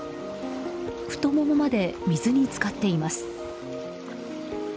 太ももまで水に浸かっています。